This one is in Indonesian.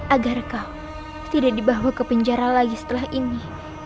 agar kau tidak dibawa ke penjara lagi setelah ini